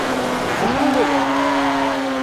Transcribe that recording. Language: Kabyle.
Dacu nniḍen?